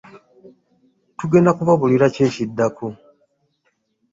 Tugenda kubabuulira kiki ekiddako.